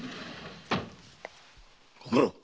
ご苦労！